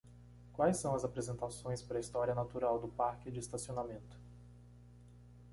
Quais são as apresentações para a história natural do parque de estacionamento